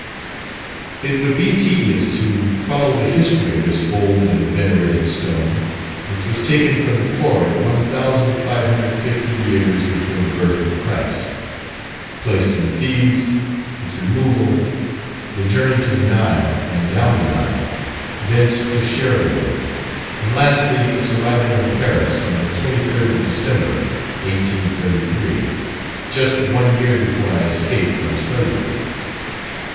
It would be tedious to follow the history of this old and venerated stone, which was taken from the quarry 1550 years before the birth of Christ; placed in Thebes; its removal; the journey to the Nile, and down the Nile; thence to Cherbourg, and lastly its arrival in Paris on the 23d of December, 1833 just one year before I escaped from slavery.